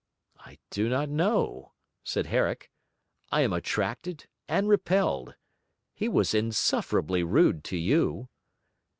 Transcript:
'I do not know,' said Herrick. 'I am attracted and repelled. He was insufferably rude to you.'